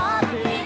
sakitnya ku disini